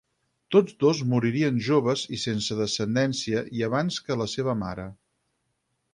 Tots dos moririen joves i sense descendència i abans que la seva mare.